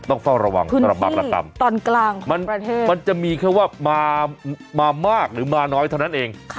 ต้องเฝ้าระวังพื้นที่ตอนกลางมันจะมีแค่ว่ามามากหรือมาน้อยเท่านั้นเอง